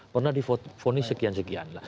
pernah difonis sekian sekian